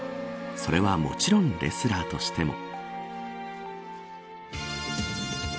それはもちろんレスラーとしても。